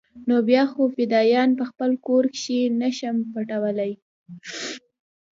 نو بيا خو فدايان په خپل کور کښې نه شم پټولاى.